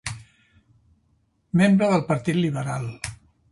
Membre del partit liberal.